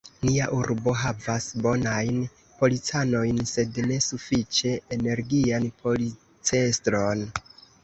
Nia urbo havas bonajn policanojn, sed ne sufiĉe energian policestron.